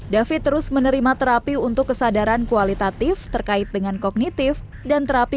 david terus menerima terapi untuk kesadaran kualitatif terkait dengan kognitif dan terapi